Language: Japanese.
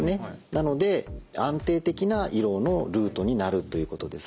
なので安定的な胃ろうのルートになるということです。